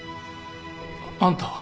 あんたは？